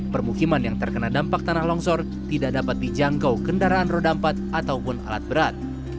permukiman yang terkena dampak tanah longsor tidak dapat dijangkau kendaraan roda empat ataupun alat berat